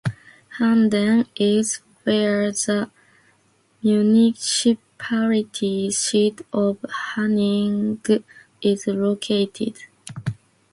Handen is where the municipality seat of Haninge is located.